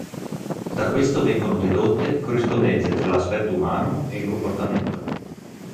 Da questo vengono dedotte corrispondenze tra l'aspetto umano e il comportamento.